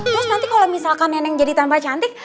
terus nanti kalo misalkan neneng jadi tambah cantik